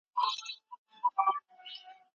دغه کیسه موږ ته ډېر څه راښيي.